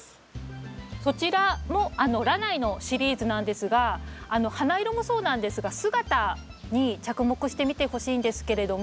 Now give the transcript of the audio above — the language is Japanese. そちらもラナイのシリーズなんですが花色もそうなんですが姿に着目してみてほしいんですけれども。